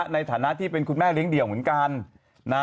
ในฐานะที่เป็นคุณแม่เลี้ยงเดี่ยวเหมือนกัน